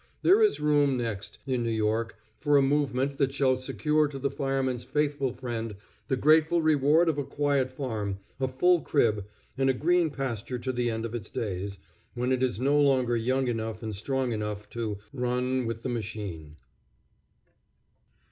There is room next, in New York, for a movement that shall secure to the fireman's faithful friend the grateful reward of a quiet farm, a full crib, and a green pasture to the end of its days, when it is no longer young enough and strong enough to "run with the machine."